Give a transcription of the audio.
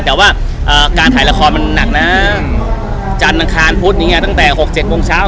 แต่ว่าการถ่ายละครมันหนักนะจันทร์อังคารพุธนี้ไงตั้งแต่๖๗โมงเช้า